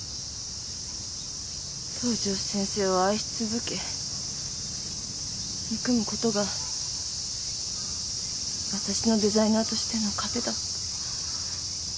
東条先生を愛し続け憎む事が私のデザイナーとしての糧だった。